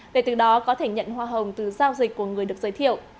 để từ đó có thể nhận hoa hồng từ giao dịch của người được giới thiệu